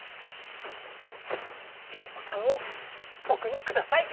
良子さんを僕に下さい！